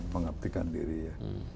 mengaptikan diri ya